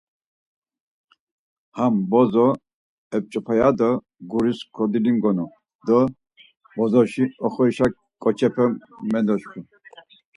Ham bozo ep̌ç̌opa ya do guris kodolingonu do bozoşi oxorişa ǩoçepe mendoşku.